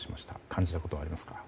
感じたことはありますか？